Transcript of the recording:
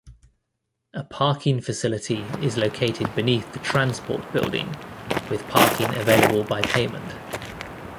A parking facility is located beneath the TransPort building, with parking available by payment.